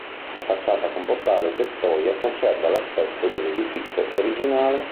La facciata con portale e tettoia conserva l'aspetto dell'edificio originale.